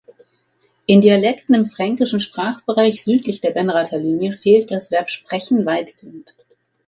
In Dialekten im fränkischen Sprachbereich südlich der Benrather Linie fehlt das Verb „sprechen“ weitgehend.